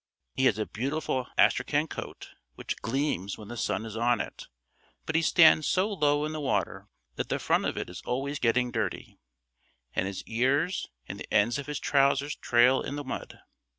He has a beautiful astrachan coat which gleams when the sun is on it; but he stands so low in the water that the front of it is always getting dirty, and his ears and the ends of his trousers trail in the mud.